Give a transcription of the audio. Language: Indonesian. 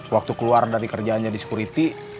waktu keluar dari kerjaan jadi security